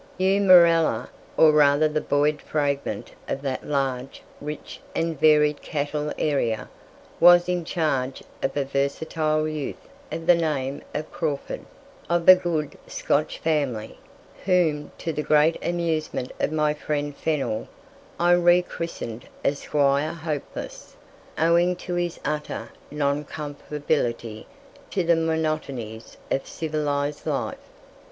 Eumerella, or rather the Boyd fragment of that large, rich, and varied cattle area, was in charge of a versatile youth of the name of Craufurd, of a good Scotch family, whom, to the great amusement of my friend Fennell, I re christened as Squire Hopeless, owing to his utter nonconformability to the monotonies of civilized life.